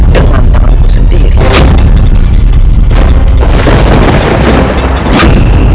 dengan tanganku sendiri